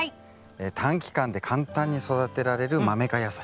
短期間で簡単に育てられるマメ科野菜。